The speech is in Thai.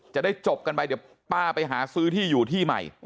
จะได้จบกันไปเดี๋ยวป้าไปหาซื้อที่อยู่ที่ใหม่